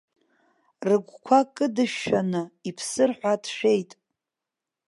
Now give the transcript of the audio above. Рыгәқәа кыдышәшәаны иԥсыр ҳәа дшәеит.